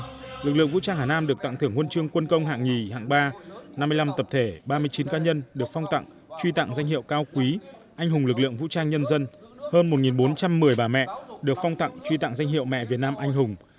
hôm nay lực lượng vũ trang hà nam được tặng thưởng huân chương quân công hạng hai hạng ba năm mươi năm tập thể ba mươi chín cá nhân được phong tặng truy tặng danh hiệu cao quý anh hùng lực lượng vũ trang nhân dân hơn một bốn trăm một mươi bà mẹ được phong tặng truy tặng danh hiệu mẹ việt nam anh hùng